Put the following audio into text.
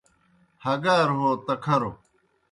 ہگار ہو تکھروْ